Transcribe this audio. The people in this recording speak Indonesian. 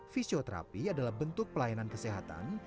fisioterapi adalah bentuk pelayanan kesehatan